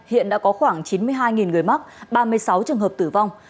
hiện đã có khoảng chín mươi hai người mắc ba mươi sáu trường hợp tử vong